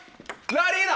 ラリーだ。